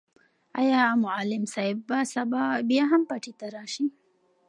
آیا معلم صاحب به سبا بیا هم پټي ته راشي؟